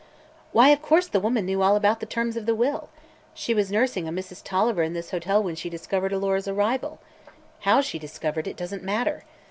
"Why, of course the woman knew all about the terms of the will. She was nursing a Mrs. Tolliver in this hotel when she discovered Alora's arrival. How she discovered it doesn't matter.